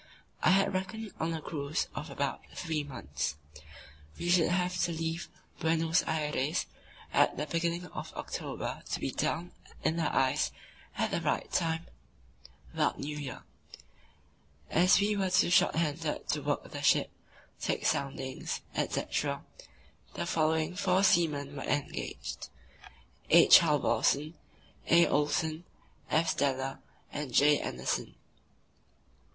I had reckoned on a cruise of about three months. We should have to leave Buenos Aires at the beginning of October to be down in the ice at the right time (about the New Year). As we were too short handed to work the ship, take soundings, etc., the following four seamen were engaged: H. Halvorsen, A. Olsen, F. Steller, and J. Andersen.